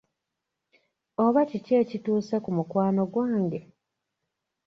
Oba kiki ekituuse ku mukwano gwange?